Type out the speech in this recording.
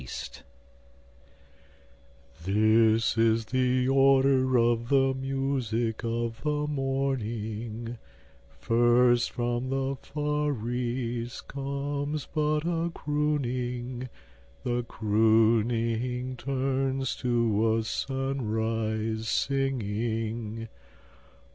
# This is the order of the music of the morning: First, from the far East comes but a crooning. The crooning turns to a sunrise singing.